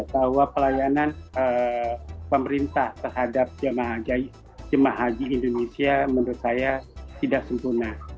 bahwa pelayanan pemerintah terhadap jemaah haji indonesia menurut saya tidak sempurna